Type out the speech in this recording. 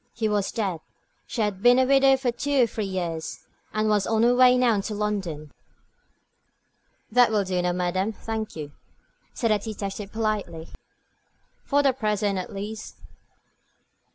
He was dead she had been a widow for two or three years, and was on her way now to London. "That will do, madame, thank you," said the detective, politely, "for the present at least."